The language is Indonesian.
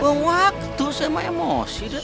buang waktu sama emosi deh